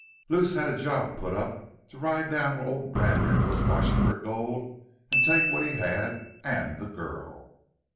Luce had a job put up to ride down where ole Brander was washin' fer gold, take what he had AN' the girl.